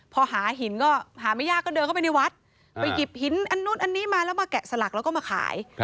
พอหาหินก็หาไม่ยากก็เดินเข้าไปในวัดไปหยิบหินอันนู้นอันนี้มาแล้วมาแกะสลักแล้วก็มาขาย